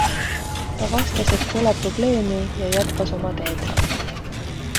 Ta vastas, et pole probleemi ja jätkas oma teed.